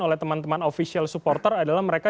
oleh teman teman official supporter adalah mereka